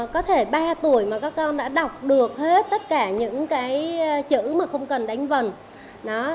có thể ba tuổi mà các con đã đọc được hết tất cả những cái chữ mà không cần đánh vần